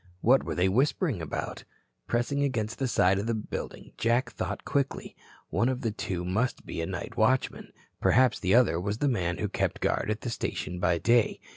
What were they whispering about? Pressing against the side of the building, Jack thought quickly. One of the two must be the night watchman. Perhaps the other was the man who kept guard at the station by day.